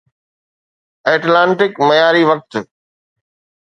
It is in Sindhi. ائٽلانٽڪ معياري وقت